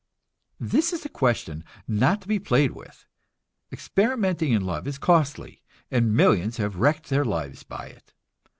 This is a question not to be played with. Experimenting in love is costly, and millions have wrecked their lives by it.